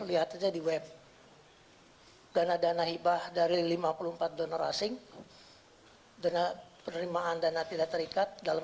lihat aja di web dana dana hibah dari lima puluh empat donor asing dengan penerimaan dana tidak terikat dalam